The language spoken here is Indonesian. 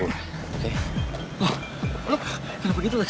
wah lo kenapa gitu lex